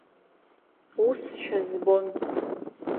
Усшәа збон.